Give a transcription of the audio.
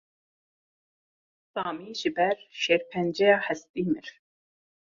Samî ji ber şêrpenceya hestî mir.